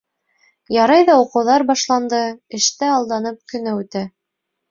Ярай ҙа уҡыуҙар башланды, эштә алданып көнө үтә.